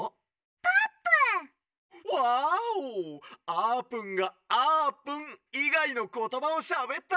あーぷんが『あーぷん』いがいのことばをしゃべった！